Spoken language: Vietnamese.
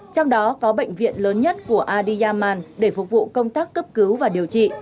trong đó có bệnh viện lớn nhất của adyaman để phục vụ công tác cấp cứu và điều trị